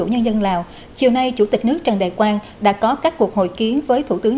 nhân dân lào chiều nay chủ tịch nước trần đại quang đã có các cuộc hội kiến với thủ tướng